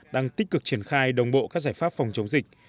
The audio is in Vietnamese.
đang tích cực triển khai đồng bộ các giải pháp phòng chống dịch